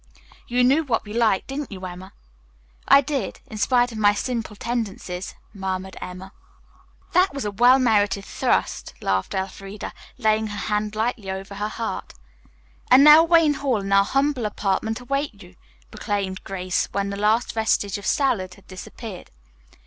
"You knew what we liked, didn't you, Emma?" "I did, in spite of my simple tendencies," murmured Emma. "That was a well merited thrust," laughed Elfreda, laying her hand lightly over her heart. "And now Wayne Hall and our humble apartment await you," proclaimed Grace when the last vestige of salad had disappeared.